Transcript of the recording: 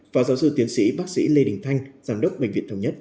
và giáo sư tiến sĩ bác sĩ lê đình thanh giám đốc bệnh viện thống nhất chia sẻ